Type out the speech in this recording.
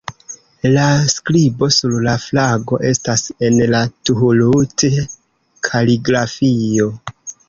La skribo sur la flago estas en la Thuluth-kaligrafio.